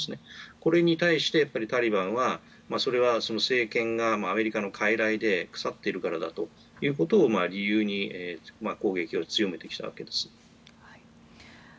これに対して、タリバンはそれは政権がアメリカの傀儡で腐っているからだということを理由に攻撃を強めてきたわけです。